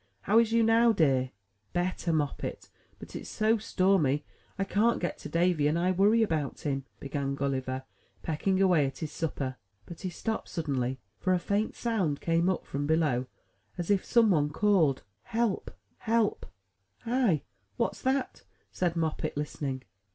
How is you now, dear?" ''Better, Moppet; but, it's so stormy, I can't get to Davy; and I worry about him," began Gulliver, pecking away at his supper; but he stopped suddenly^ for a faint sound came up from below, as if some one called, "Help, help!" '*Hi! what's dat?" said Moppet, listening.